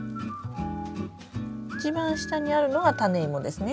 一番下にあるのがタネイモですね。